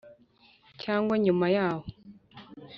cyangwa nyuma yaho